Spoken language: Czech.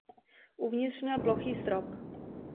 Uvnitř měl plochý strop.